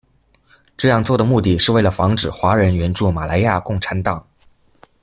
这样做的目的是为了防止华人援助马来亚共产党。